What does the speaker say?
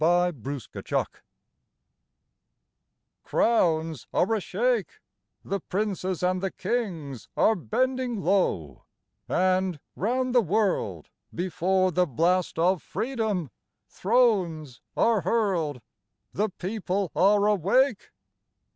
Song of Revolt Crowns are ashake, The princes and the Kings are bending low, And, round the world, Before the blast of Freedom, thrones are hurled: The People are awake!